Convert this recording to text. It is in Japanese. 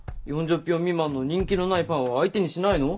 ４０票未満の人気のないパンは相手にしないの？